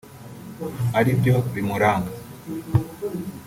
aribyo bimuranga